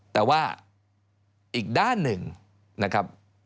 แต่ว่าอีกด้านหนึ่งนะครับ